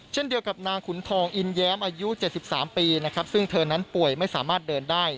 เช่นเดียวกับนางขุนทองอินแย้มอายุ๗๓ปีนะครับซึ่งเธอนั้นป่วยไม่สามารถเดินได้